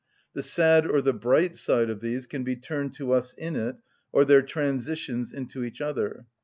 The sad or the bright side of these can be turned to us in it, or their transitions into each other.